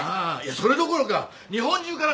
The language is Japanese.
それどころか日本中から観光。